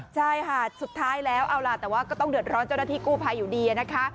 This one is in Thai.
ใช่ค่ะสุดท้ายแล้วเอาล่ะแต่ว่าก็ต้องเดือดร้อนเจ้าหน้าที่กู้ภัยอยู่ดีนะคะ